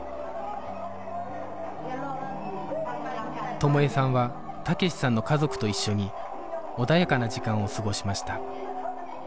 友枝さんは武志さんの家族と一緒に穏やかな時間を過ごしました